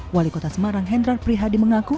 wali kota semarang hendrar prihadi mengaku